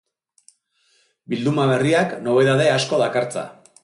Bilduma berriak nobedade asko dakartza.